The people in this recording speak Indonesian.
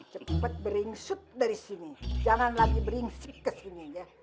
cepet beringsut dari sini jangan lagi beringsut kesini ya